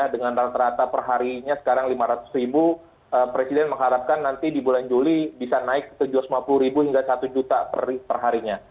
dengan rata rata perharinya sekarang lima ratus ribu presiden mengharapkan nanti di bulan juli bisa naik tujuh ratus lima puluh ribu hingga satu juta perharinya